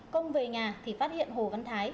công về nhà thì phát hiện hồ văn thái